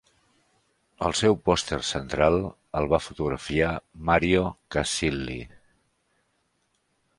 El seu pòster central el va fotografiar Mario Casilli.